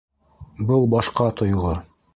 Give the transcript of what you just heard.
Был башҡа тойғо.